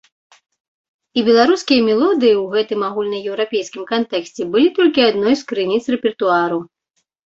І беларускія мелодыі ў гэтым агульнаеўрапейскім кантэксце былі толькі адной з крыніц рэпертуару.